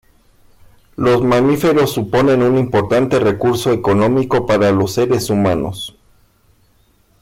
Los mamíferos suponen un importante recurso económico para los seres humanos.